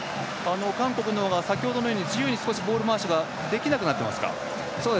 韓国の方が先ほどのように自由なボール回しができなくなっていますか？